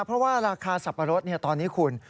เพราะว่าราคาสับปะรดตอนนี้คุณ